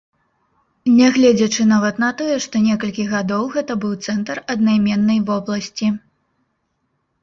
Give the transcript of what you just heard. Нягледзячы нават на тое, што некалькі гадоў гэта быў цэнтр аднайменнай вобласці.